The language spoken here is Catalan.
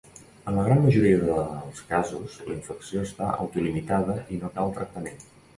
En la gran majoria dels casos la infecció està autolimitada i no cal tractament.